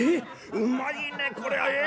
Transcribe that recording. うまいねこりゃええ？